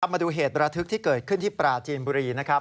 มาดูเหตุระทึกที่เกิดขึ้นที่ปราจีนบุรีนะครับ